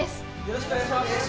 よろしくお願いします！